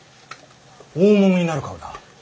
大物になる顔だ。